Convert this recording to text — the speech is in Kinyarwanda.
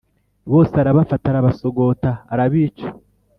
bose arabafata arabasogota arabica